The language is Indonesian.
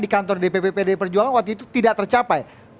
di kantor dpp pdi perjuangan waktu itu tidak tercapai